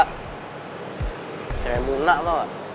kayak yang buna kok